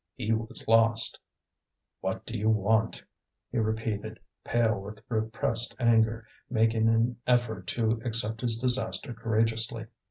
He was lost. "What do you want?" he repeated, pale with repressed anger, making an effort to accept his disaster courageously.